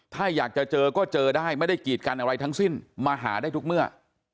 ถ้าอยากจะเจอก็เจอได้ไม่ได้กีดกันอะไรทั้งสิ้นมาหาได้ทุกเมื่อ